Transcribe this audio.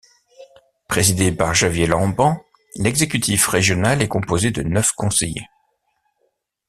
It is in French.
Présidé par Javier Lambán, l'exécutif régional est composé de neuf conseillers.